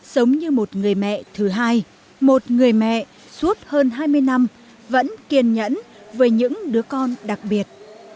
giống như một người mẹ thứ hai một người mẹ suốt hơn hai mươi năm vẫn kiên nhẫn với những đứa con đặc biệt